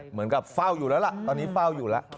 เหมือนกับเฝ้าอยู่แล้วล่ะตอนนี้เฝ้าอยู่แล้ว